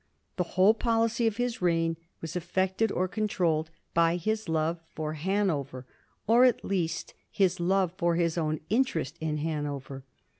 The whole policy of his reign was affected or controlled by his love for Hanover, or, at least, his love for his own interest in Hanover.